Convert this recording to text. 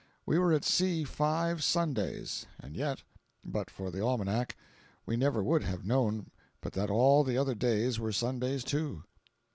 We were at sea five Sundays; and yet, but for the almanac, we never would have known but that all the other days were Sundays too.